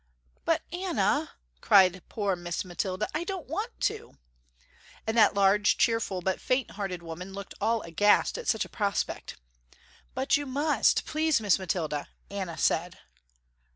"But Anna," cried poor Miss Mathilda, "I don't want to," and that large, cheerful, but faint hearted woman looked all aghast at such a prospect. "But you must, please Miss Mathilda!" Anna said.